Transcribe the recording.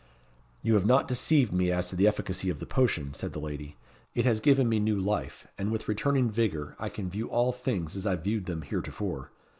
"You have not deceived me as to the efficacy of the potion," said the lady; "it has given me new life, and with returning vigour I can view all things as I viewed them heretofore.